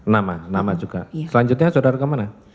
nama nama juga selanjutnya saudara kemana